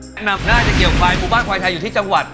อันดับน่าจะเกี่ยวควายหมู่บ้านควายไทยอยู่ที่จังหวัด